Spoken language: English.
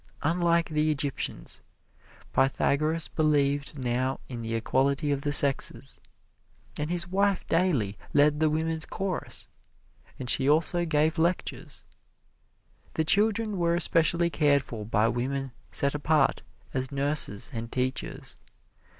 Unlike the Egyptians, Pythagoras believed now in the equality of the sexes, and his wife daily led the women's chorus, and she also gave lectures. The children were especially cared for by women set apart as nurses and teachers.